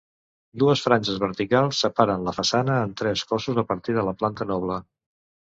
Dues franges verticals separen la façana en tres cossos a partir de la planta noble.